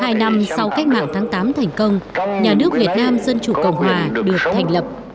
trong hai năm sau cách mạng tháng tám thành công nhà nước việt nam dân chủ cộng hòa được thành lập